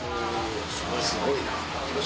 すごいー。